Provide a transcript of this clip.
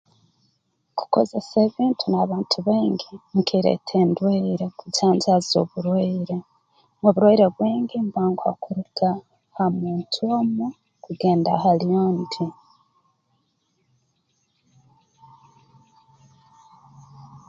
Kukozesa ebintu n'abantu baingi nikireeta endwaire kujanjaaza oburwaire oburwaire bwingi mbwanguha kuruga ha muntu omu kugenda hali ondi